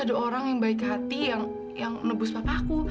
ada orang yang baik hati yang nebus papa aku